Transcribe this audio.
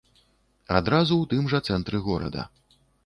Адразу ў тым жа цэнтры горада.